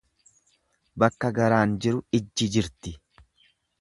Bakka garaan jiru ijji jirti.